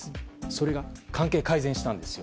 それが関係改善したんです。